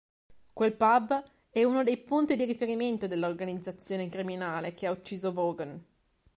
Quel Pub è uno dei punti di riferimento dell'organizzazione criminale che ha ucciso Vaughn.